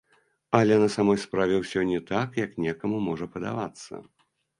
Але на самой справе ўсё не так, як некаму можа падавацца.